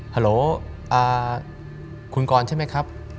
ฮัลโหลคุณกรใช่ไหมครับ